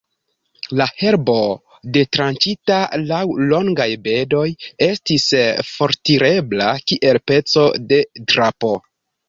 La herbo, detranĉita laŭ longaj bedoj, estis fortirebla kiel peco de drapo.